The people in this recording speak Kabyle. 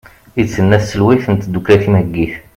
i d-tenna tselwayt n tddukkla timheggit